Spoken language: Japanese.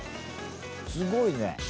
すごいね！